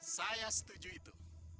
saya setuju itu